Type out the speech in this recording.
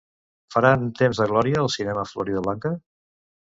Faran "Temps de glòria" al cinema Floridablanca?